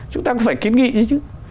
chúng ta cũng phải kiến nghị chứ